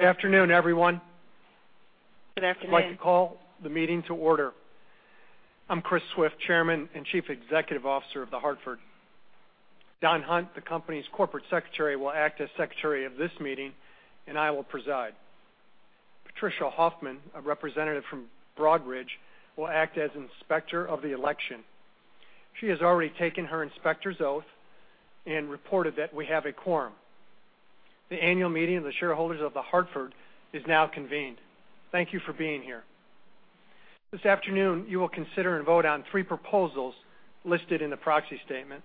Good afternoon, everyone. Good afternoon. I'd like to call the meeting to order. I'm Chris Swift, Chairman and Chief Executive Officer of The Hartford. Don Hunt, the company's Corporate Secretary, will act as Secretary of this meeting, and I will preside. Patricia Hoffman, a representative from Broadridge, will act as Inspector of the Election. She has already taken her inspector's oath and reported that we have a quorum. The annual meeting of the shareholders of The Hartford is now convened. Thank you for being here. This afternoon, you will consider and vote on three proposals listed in the proxy statement.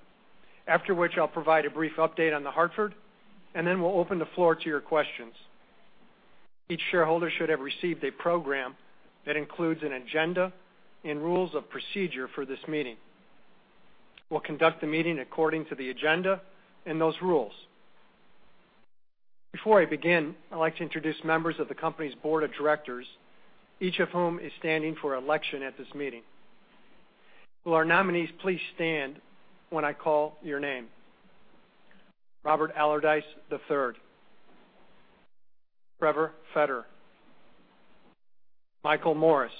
After which, I'll provide a brief update on The Hartford, and then we'll open the floor to your questions. Each shareholder should have received a program that includes an agenda and rules of procedure for this meeting. We'll conduct the meeting according to the agenda and those rules. Before I begin, I'd like to introduce members of the company's Board of Directors, each of whom is standing for election at this meeting. Will our nominees please stand when I call your name? Robert Allardyce III, Trevor Fetter, Michael Morris,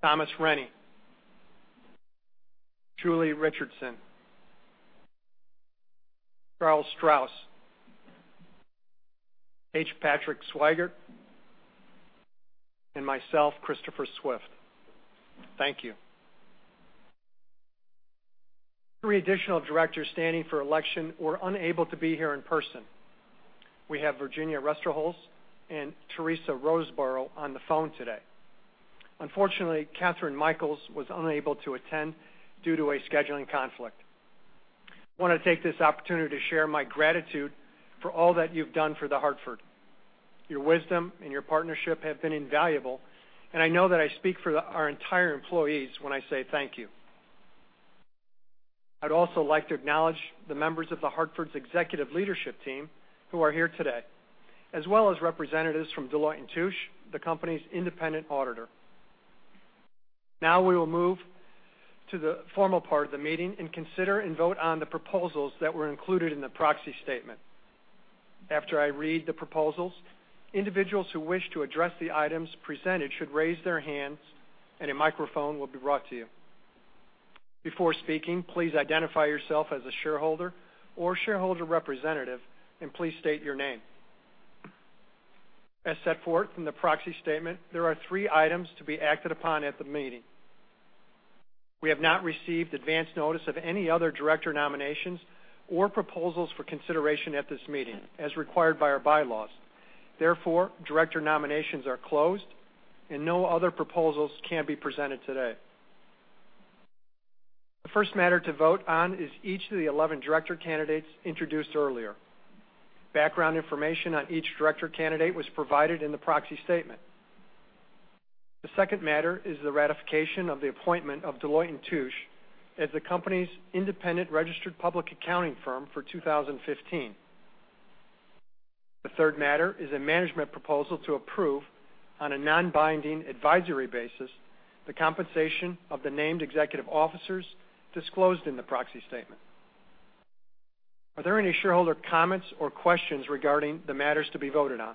Thomas Renyi, Julie Richardson, Charles Strauss, H. Patrick Swygert, and myself, Christopher Swift. Thank you. Three additional directors standing for election were unable to be here in person. We have Virginia Ruesterholz and Teresa Roseborough on the phone today. Unfortunately, Kathryn Mikells was unable to attend due to a scheduling conflict. I want to take this opportunity to share my gratitude for all that you've done for The Hartford. Your wisdom and your partnership have been invaluable, and I know that I speak for our entire employees when I say thank you. I'd also like to acknowledge the members of The Hartford's executive leadership team who are here today, as well as representatives from Deloitte & Touche, the company's independent auditor. We will move to the formal part of the meeting and consider and vote on the proposals that were included in the proxy statement. After I read the proposals, individuals who wish to address the items presented should raise their hands, and a microphone will be brought to you. Before speaking, please identify yourself as a shareholder or shareholder representative, and please state your name. As set forth in the proxy statement, there are three items to be acted upon at the meeting. We have not received advance notice of any other director nominations or proposals for consideration at this meeting, as required by our bylaws. Therefore, director nominations are closed, and no other proposals can be presented today. The first matter to vote on is each of the 11 director candidates introduced earlier. Background information on each director candidate was provided in the proxy statement. The second matter is the ratification of the appointment of Deloitte & Touche as the company's independent registered public accounting firm for 2015. The third matter is a management proposal to approve, on a non-binding advisory basis, the compensation of the named executive officers disclosed in the proxy statement. Are there any shareholder comments or questions regarding the matters to be voted on?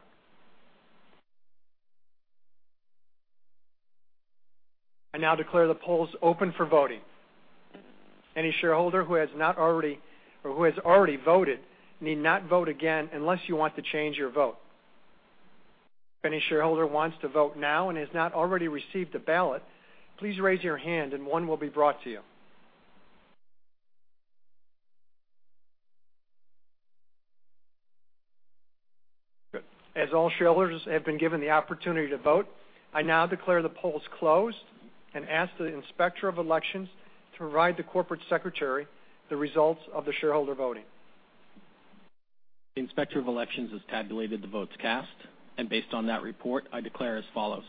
I now declare the polls open for voting. Any shareholder who has already voted need not vote again unless you want to change your vote. If any shareholder wants to vote now and has not already received a ballot, please raise your hand and one will be brought to you. Good. As all shareholders have been given the opportunity to vote, I now declare the polls closed and ask the Inspector of Elections to provide the Corporate Secretary the results of the shareholder voting. The Inspector of Elections has tabulated the votes cast, and based on that report, I declare as follows.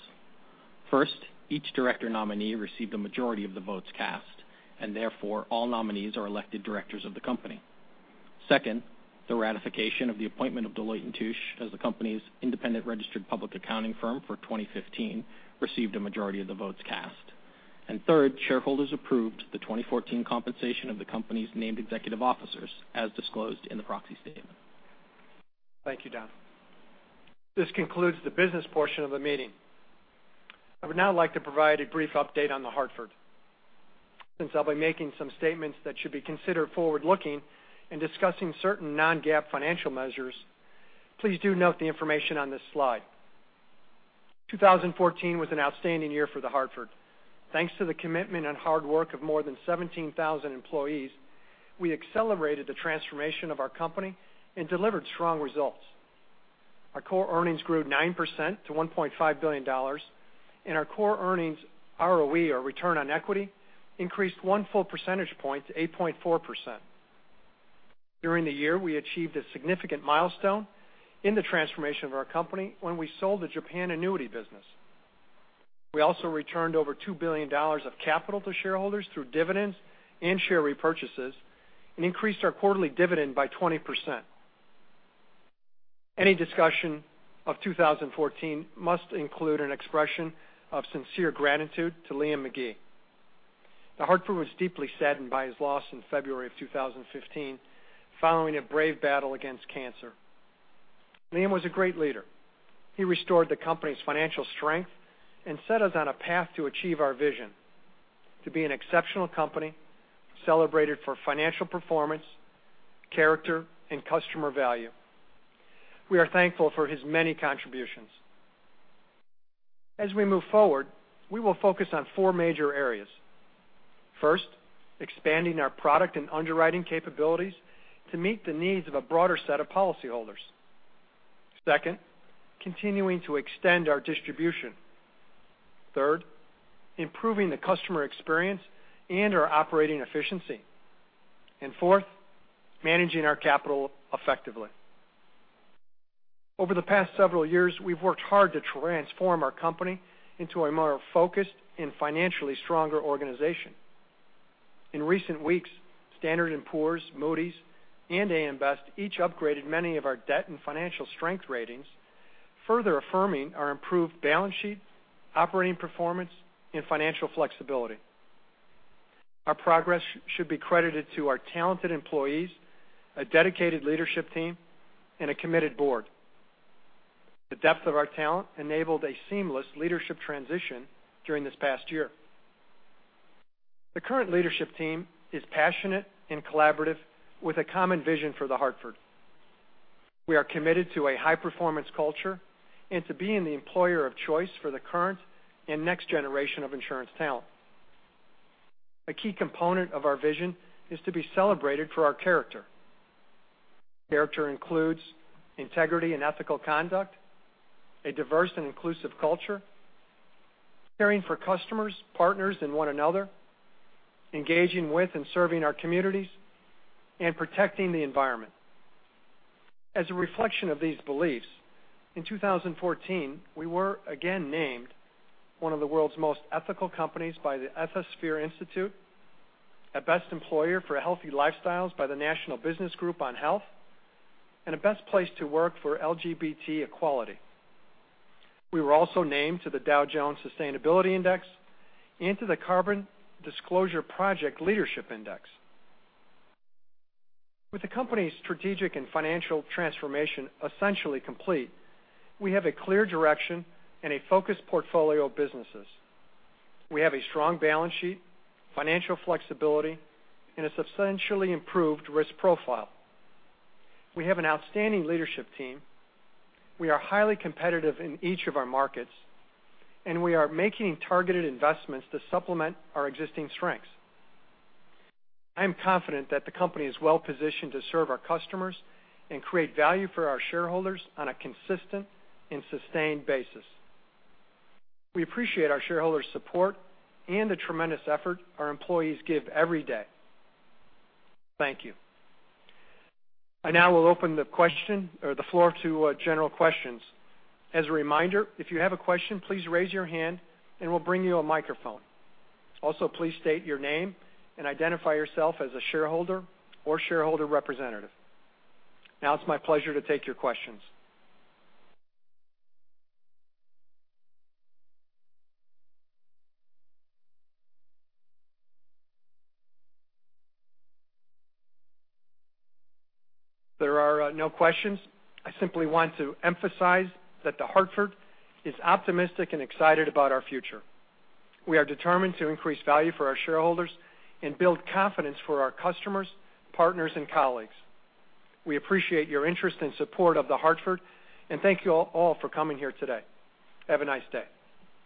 First, each director nominee received a majority of the votes cast, and therefore, all nominees are elected directors of the company. Second, the ratification of the appointment of Deloitte & Touche as the company's independent registered public accounting firm for 2015 received a majority of the votes cast. Third, shareholders approved the 2014 compensation of the company's named executive officers, as disclosed in the proxy statement. Thank you, Don. This concludes the business portion of the meeting. I would now like to provide a brief update on The Hartford. Since I will be making some statements that should be considered forward-looking and discussing certain non-GAAP financial measures, please do note the information on this slide. 2014 was an outstanding year for The Hartford. Thanks to the commitment and hard work of more than 17,000 employees, we accelerated the transformation of our company and delivered strong results. Our core earnings grew 9% to $1.5 billion, and our core earnings ROE, or return on equity, increased one full percentage point to 8.4%. During the year, we achieved a significant milestone in the transformation of our company when we sold the Japan annuity business. We also returned over $2 billion of capital to shareholders through dividends and share repurchases and increased our quarterly dividend by 20%. Any discussion of 2014 must include an expression of sincere gratitude to Liam McGee. The Hartford was deeply saddened by his loss in February of 2015, following a brave battle against cancer. Liam was a great leader. He restored the company's financial strength and set us on a path to achieve our vision, to be an exceptional company celebrated for financial performance, character, and customer value. We are thankful for his many contributions. As we move forward, we will focus on four major areas. First, expanding our product and underwriting capabilities to meet the needs of a broader set of policyholders. Second, continuing to extend our distribution. Third, improving the customer experience and our operating efficiency. Fourth, managing our capital effectively. Over the past several years, we have worked hard to transform our company into a more focused and financially stronger organization. In recent weeks, Standard & Poor's, Moody's, and AM Best each upgraded many of our debt and financial strength ratings, further affirming our improved balance sheet, operating performance, and financial flexibility. Our progress should be credited to our talented employees, a dedicated leadership team, and a committed board. The depth of our talent enabled a seamless leadership transition during this past year. The current leadership team is passionate and collaborative with a common vision for The Hartford. We are committed to a high-performance culture and to being the employer of choice for the current and next generation of insurance talent. A key component of our vision is to be celebrated for our character. Character includes integrity and ethical conduct, a diverse and inclusive culture, caring for customers, partners, and one another, engaging with and serving our communities, and protecting the environment. As a reflection of these beliefs, in 2014, we were again named one of the world's most ethical companies by the Ethisphere Institute, a best employer for healthy lifestyles by the Business Group on Health, and a best place to work for LGBT equality. We were also named to the Dow Jones Sustainability Index and to the Climate Disclosure Leadership Index. With the company's strategic and financial transformation essentially complete, we have a clear direction and a focused portfolio of businesses. We have a strong balance sheet, financial flexibility, and a substantially improved risk profile. We have an outstanding leadership team, we are highly competitive in each of our markets, and we are making targeted investments to supplement our existing strengths. I am confident that the company is well-positioned to serve our customers and create value for our shareholders on a consistent and sustained basis. We appreciate our shareholders' support and the tremendous effort our employees give every day. Thank you. I now will open the floor to general questions. As a reminder, if you have a question, please raise your hand and we'll bring you a microphone. Please state your name and identify yourself as a shareholder or shareholder representative. It's my pleasure to take your questions. There are no questions. I simply want to emphasize that The Hartford is optimistic and excited about our future. We are determined to increase value for our shareholders and build confidence for our customers, partners, and colleagues. We appreciate your interest and support of The Hartford, and thank you all for coming here today. Have a nice day.